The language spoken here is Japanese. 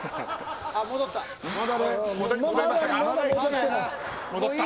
戻ったか？